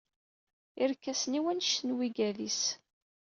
Irkasen-iw anect n wigad-is.